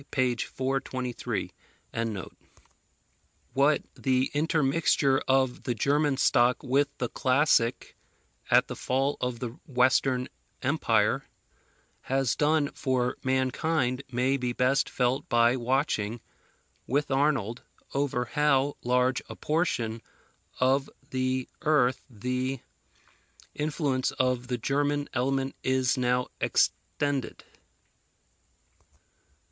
p. 423.] What the intermixture of the German stock with the classic, at the fall of the Western Empire, has done for mankind may be best felt by watching, with Arnold, over how large a portion of the earth the influence of the German element is now extended.